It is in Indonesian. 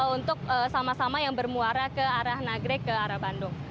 untuk sama sama yang bermuara ke arah nagrek ke arah bandung